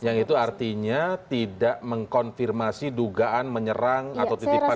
yang itu artinya tidak mengkonfirmasi dugaan menyerang atau titipan